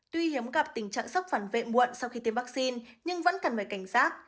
tuy hiếm gặp tình trạng sốc phản vệ muộn sau khi tiêm vaccine nhưng vẫn cần phải cảnh giác